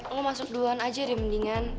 lo masuk duluan aja deh mendingan